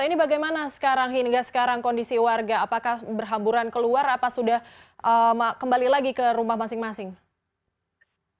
ini bagaimana sekarang hingga sekarang kondisi warga apakah berhamburan keluar apa sudah kembali lagi ke rumah masing masing